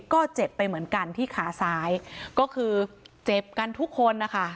ก็เจ็บไปเหมือนกันที่ขาซ้ายก็คือเจ็บกันทุกคนนะคะ